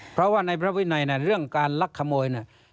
เพราะว่าในพระวินัยเรื่องการลักขโมย